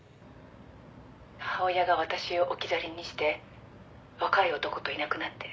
「母親が私を置き去りにして若い男といなくなって」